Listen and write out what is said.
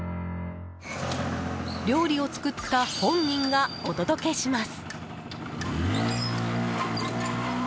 料理を作った本人がお届けします。